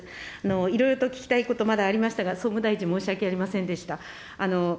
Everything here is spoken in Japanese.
いろいろと聞きたいこと、まだありましたが、総務大臣、申し訳ありませんでした。